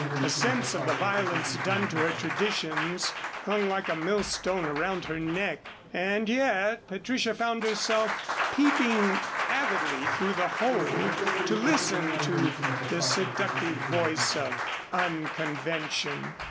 A sense of the violence done to her traditions hung like a millstone around her neck; and yet Patricia found herself peeping avidly through the hole to listen to the seductive voice of unconvention.